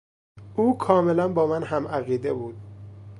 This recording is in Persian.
او کاملا با من هم عقیده بود.